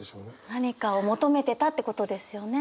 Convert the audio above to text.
何かを求めてたってことですよね。